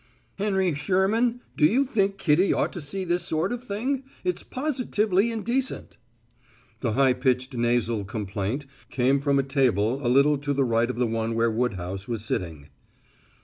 "Henry Sherman, do you think Kitty ought to see this sort of thing? It's positively indecent!" The high pitched nasal complaint came from a table a little to the right of the one where Woodhouse was sitting.